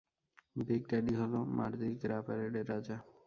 Big ড্যাডিই হলো Mardi Gras প্যারেডের রাজা।